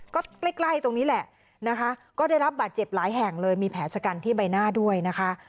ก็ใกล้ใกล้ตรงนี้แหละนะคะก็ได้รับบาดเจ็บหลายแห่งเลยมีแผลชะกันที่ใบหน้าด้วยนะคะ